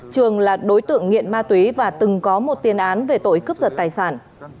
trường là đối tượng nghiện ma túy và từng có một tiền án về tội cướp giật tài sản